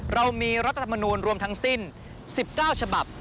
เรามีรัฐธรรมนูลรวมทั้งสิ้น๑๙ฉบับ